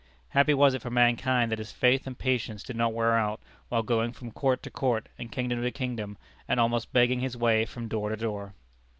Happy was it for mankind that his faith and patience did not wear out, while going from court to court, and kingdom to kingdom, and almost begging his way from door to door!